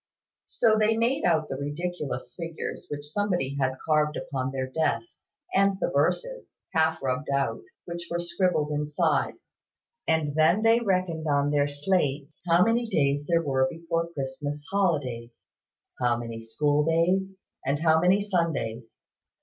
So they made out the ridiculous figures which somebody had carved upon their desks, and the verses, half rubbed out, which were scribbled inside: and then they reckoned, on their slates, how many days there were before the Christmas holidays; how many school days, and how many Sundays.